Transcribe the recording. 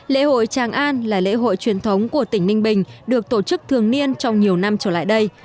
lễ hội tràng an là lễ hội truyền thống của tỉnh ninh bình được tổ chức thường niên trong nhiều năm trở lại đây